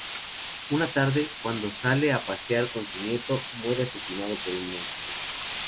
Una tarde, cuando sale a pasear con su nieto, muere asesinado por un monstruo.